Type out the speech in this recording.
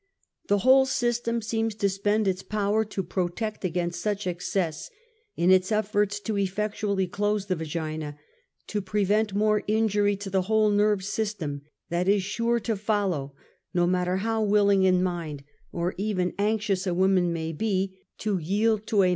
The whole system seems to spend its power to j^rotect \ against such excess, in its eflbrts to efi:ectually close ^ \the vagina, to prevent more injury to the whole nerv<^ system, that is sure to follow, no matter how willmg in mind, or even anxious a woman may be to yield 54 UNMASKED.